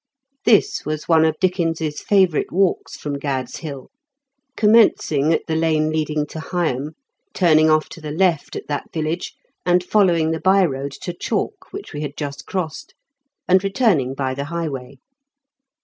This was one of Dickens's favourite walks fi:om Gad's Hill, commencing at the lane leading to Higham, turning off" to the left 18 IN KENT WITH CHAELE8 DICKENS. at that village, and following the by road to Chalk which we had just crossed, and returning by the highway.